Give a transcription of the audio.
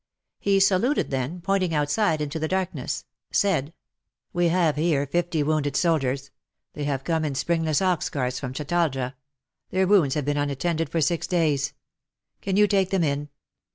He saluted, then, pointing outside into the darkness, said : "We have here fifty wounded soldiers. They have come in springless ox carts from Chatalja — their wounds have been untended for six days. Can you take them in